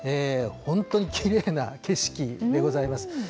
本当にきれいな景色でございます。